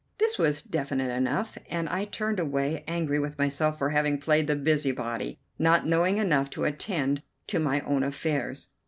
This was definite enough, and I turned away angry with myself for having played the busybody, not knowing enough to attend to my own affairs.